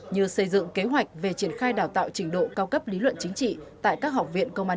như xây dựng kế hoạch về triển khai đào tạo trình độ cao cấp lý luận chính trị tại các học viện công an nhân dân